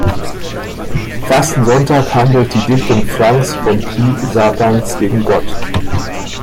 Fastensonntag handelt die Dichtung Francks vom Krieg Satans gegen Gott.